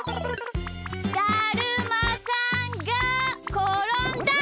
だるまさんがころんだ！